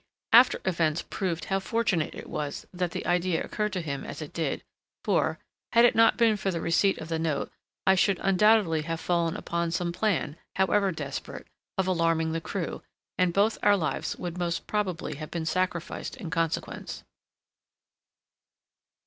After events proved how fortunate it was that the idea occurred to him as it did; for, had it not been for the receipt of the note, I should undoubtedly have fallen upon some plan, however desperate, of alarming the crew, and both our lives would most probably have been sacrificed in consequence.